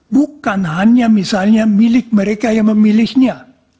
bukan hanya misalnya milik mereka yang memilihnya